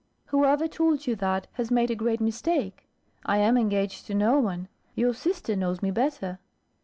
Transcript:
"Whoever told you that, has made a great mistake. I am engaged to no one. Your sister knows me better."